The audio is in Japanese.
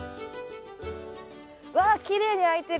わきれいにあいてる。